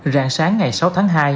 rạng sáng ngày sáu tháng hai